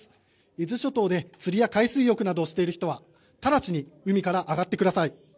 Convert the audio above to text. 伊豆諸島で釣りや海水浴などをしている人は直ちに海から上がってください。